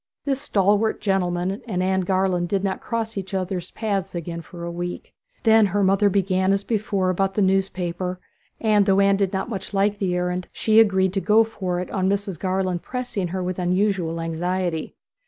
This stalwart gentleman and Anne Garland did not cross each other's paths again for a week. Then her mother began as before about the newspaper, and, though Anne did not much like the errand, she agreed to go for it on Mrs. Garland pressing her with unusual anxiety.